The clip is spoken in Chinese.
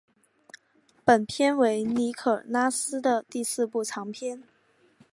本片为尼可拉斯的第四部长片。